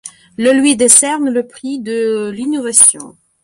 Le lui décerne le Prix de l’Innovation.